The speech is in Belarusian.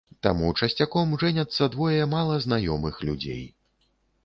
Таму часцяком жэняцца двое мала знаёмых людзей.